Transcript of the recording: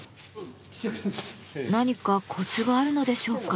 何かコツがあるのでしょうか？